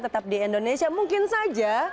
tetap di indonesia mungkin saja